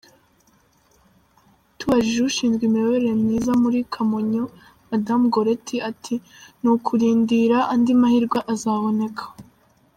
Tubajije ushinzwe imiyoborere myiza muri Kamonyo Mme Goreti ati “ni ukurindira andi mahirwe azaboneka.